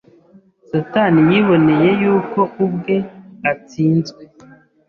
Satani yiboneye y’uko ubwe atsinzwe.